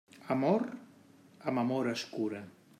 Amor, amb amor es cura.